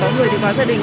có người thì có gia đình